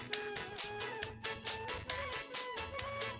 maafin tinggal banget